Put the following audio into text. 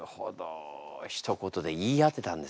ひと言で言い当てたんですね。